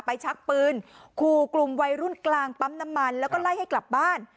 ชักปืนขู่กลุ่มวัยรุ่นกลางปั๊มน้ำมันแล้วก็ไล่ให้กลับบ้าน